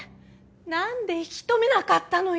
なんで引き留めなかったのよ！